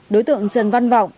đối tượng trần văn vọng